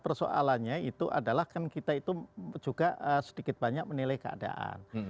pertama kita juga sedikit banyak menilai keadaan